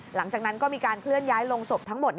หลังจากนั้นก็มีการเคลื่อนย้ายลงศพทั้งหมด